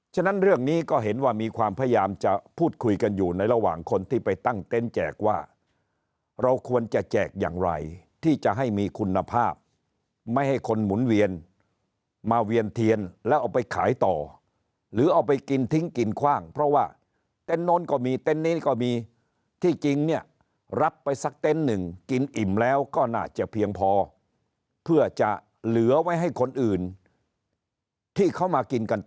ฉะนั้นเรื่องนี้ก็เห็นว่ามีความพยายามจะพูดคุยกันอยู่ในระหว่างคนที่ไปตั้งเต็นต์แจกว่าเราควรจะแจกอย่างไรที่จะให้มีคุณภาพไม่ให้คนหมุนเวียนมาเวียนเทียนแล้วเอาไปขายต่อหรือเอาไปกินทิ้งกินคว่างเพราะว่าเต็นต์โน้นก็มีเต็นต์นี้ก็มีที่จริงเนี่ยรับไปสักเต็นต์หนึ่งกินอิ่มแล้วก็น่าจะเพียงพอเพื่อจะเหลือไว้ให้คนอื่นที่เขามากินกัน